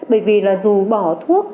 bởi vì là dù bỏ thuốc